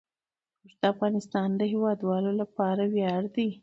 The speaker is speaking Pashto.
اوښ د افغانستان د هیوادوالو لپاره ویاړ دی.